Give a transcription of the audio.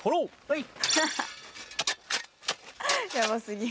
はい！